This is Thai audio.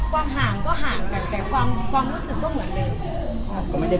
ความห่างก็ห่างกันแต่ความรู้สึกก็เหมือนเดิม